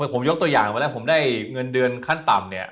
ผมยกตัวอย่างผมได้เงินเดือนขั้นต่ำ